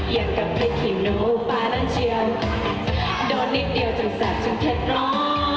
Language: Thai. อย่างกับพลิกหินูปลาลันเชียวดอดนิดเดียวจนแสบจนเผ็ดร้อน